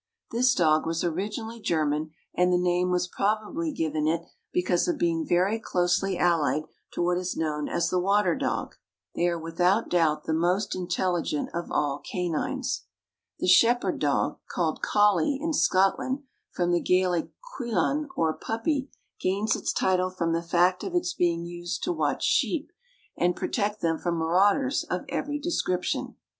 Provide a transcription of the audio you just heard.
This dog was originally German, and the name was probably given it because of being very closely allied to what is known as the water dog. They are without doubt the most intelligent of all canines. The shepherd dog called collie in Scotland, from the Gaelic cuilan or puppy gains its title from the fact of its being used to watch sheep, and protect them from marauders of every description.